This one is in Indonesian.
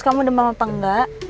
kamu demam apa nggak